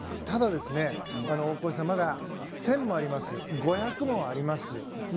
ただ、大越さんまだ１０００もあります５００もあります。